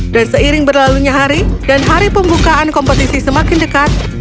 dan seiring berlalunya hari dan hari pembukaan kompetisi semakin dekat